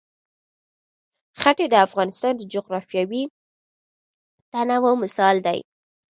ښتې د افغانستان د جغرافیوي تنوع مثال دی.